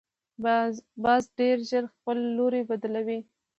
باز ډیر ژر خپل لوری بدلوي